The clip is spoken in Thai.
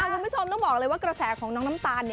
คุณผู้ชมต้องบอกเลยว่ากระแสของน้องน้ำตาล